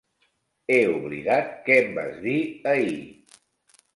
He oblidat què em vas dir ahir.